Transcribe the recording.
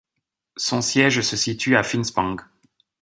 Son siège se situe à Finspång.